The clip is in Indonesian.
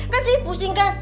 kan sri pusing kan